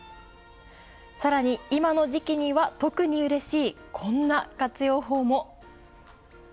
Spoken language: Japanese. さらに今の時期には特にうれしいこんな活用法も。